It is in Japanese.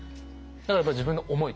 だからやっぱり自分の思い